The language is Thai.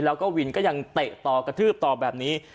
แล้วก็วินก็ยังเตะต่อกระทืบต่อแบบนี้